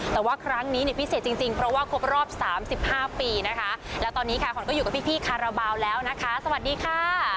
แต่ว่าครั้งนี้เนี่ยพิเศษจริงเพราะว่าครบรอบ๓๕ปีนะคะแล้วตอนนี้ค่ะขวัญก็อยู่กับพี่คาราบาลแล้วนะคะสวัสดีค่ะ